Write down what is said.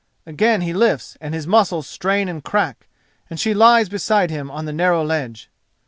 Again he lifts and his muscles strain and crack, and she lies beside him on the narrow ledge!